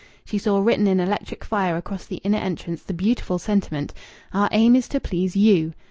She saw written in electric fire across the inner entrance the beautiful sentiment, "Our aim is to please YOU."